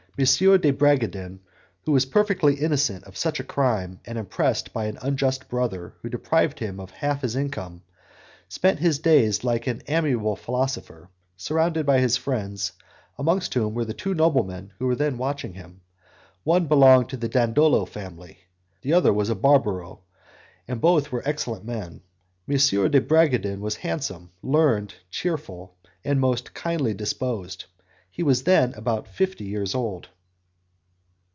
de Bragadin, who was perfectly innocent of such a crime and oppressed by an unjust brother who deprived him of half of his income, spent his days like an amiable philosopher, surrounded by his friends, amongst whom were the two noblemen who were then watching him; one belonged to the Dandolo family, the other was a Barbaro, and both were excellent men. M. de Bragadin was handsome, learned, cheerful, and most kindly disposed; he was then about fifty years old.